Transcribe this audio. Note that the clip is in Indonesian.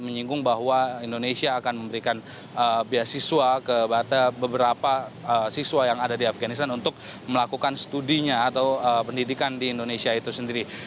menyinggung bahwa indonesia akan memberikan beasiswa kepada beberapa siswa yang ada di afganistan untuk melakukan studinya atau pendidikan di indonesia itu sendiri